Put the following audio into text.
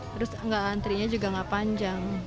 terus antrinya juga nggak panjang